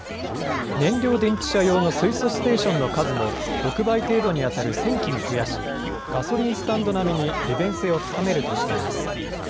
燃料電池車用の水素ステーションの数も６倍程度に当たる１０００基に増やし、ガソリンスタンド並みに利便性を高めるとしています。